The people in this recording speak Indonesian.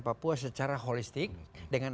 papua secara holistik dengan